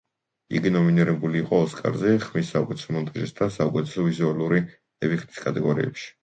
იგი ნომინირებული იყო ოსკარზე, ხმის საუკეთესო მონტაჟის და საუკეთესო ვიზუალური ეფექტების კატეგორიებში.